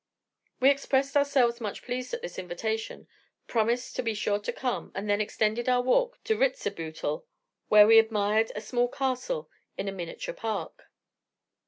We expressed ourselves much pleased at this invitation, promised to be sure to come, and then extended our walk to Ritzebuttel, where we admired a small castle and a miniature park.